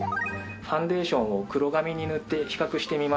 ファンデーションを黒紙に塗って比較してみますね。